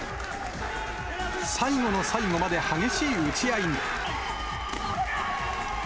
最後の最後まで激しい打ち合いに。